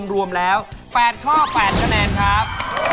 รวมแล้ว๘ข้อ๘คะแนนครับ